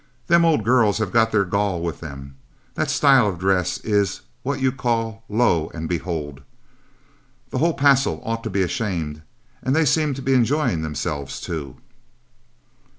Them old girls have got their gall with them. That style of dress is what you call lo and behold. The whole passel ought to be ashamed. And they seem to be enjoying themselves, too."